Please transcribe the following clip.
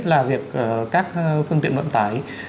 là việc các phương tiện ngậm tải